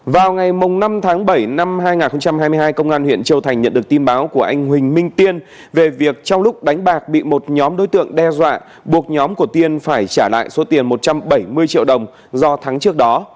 vào ngày năm tháng bảy năm hai nghìn hai mươi hai công an huyện châu thành nhận được tin báo của anh huỳnh minh tiên về việc trong lúc đánh bạc bị một nhóm đối tượng đe dọa buộc nhóm của tiên phải trả lại số tiền một trăm bảy mươi triệu đồng do thắng trước đó